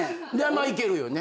いけるよね。